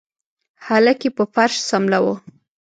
هلک يې په فرش سملوه.